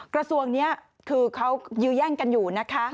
กระทรวงนี้คือเขายื้อแย่งกันอยู่นะคะ